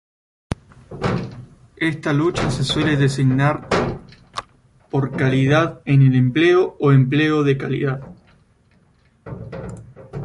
Esta lucha se suele designar por "calidad en el empleo" o "empleo de calidad".